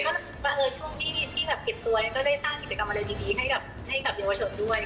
ช่วงนี้ที่ผิดตัวก็ได้สร้างกิจกรรมอะไรดีให้กับเยาวชนด้วย